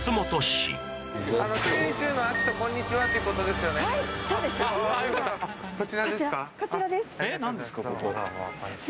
こちらですか？